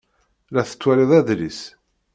La tettwalid adlis?